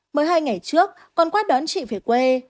mới hai ngày trước con quét đón chị về quê